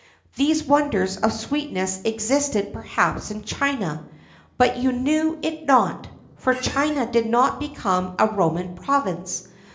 These wonders of sweetness existed perhaps in China, but you knew it not, for China did not become a Roman province.